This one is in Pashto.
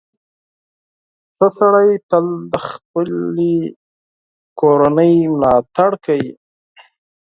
• ښه سړی تل د خپلې کورنۍ ملاتړ کوي.